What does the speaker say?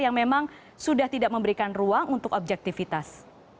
yang memang sudah tidak memberikan ruang untuk objektivitas